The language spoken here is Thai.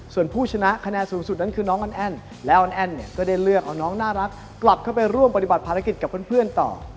ส่วนผู้ชนะคะแนนสูงสุดนั้นคือน้องอันแอ้นแล้วอันแอ้นเนี่ยก็ได้เลือกเอาน้องน่ารักกลับเข้าไปร่วมปฏิบัติภารกิจกับเพื่อนต่อ